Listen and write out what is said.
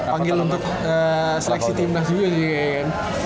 panggil untuk seleksi timnas juga sih kayaknya